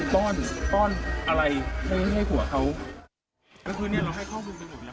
คือต้อนอะไรให้หัวเขา